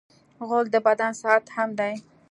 غول د بدن ساعت هم دی.